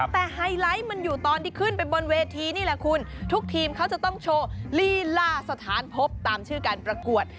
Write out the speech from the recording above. แต่ไฮไลท์มันอยู่ตอนที่ขึ้นไปบนเวทีนี่แหละคุณทุกทีมเขาจะต้องโชว์ลีล่าสถานพบตามชื่อการประกวด